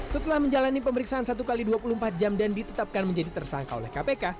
setelah menjalani pemeriksaan satu x dua puluh empat jam dan ditetapkan menjadi tersangka oleh kpk